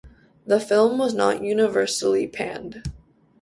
The film was not universally panned.